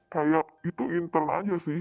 kayak itu intel aja sih